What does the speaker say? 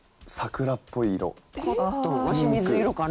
わし水色かな？